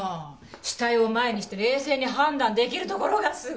死体を前にして冷静に判断できるところがすごい。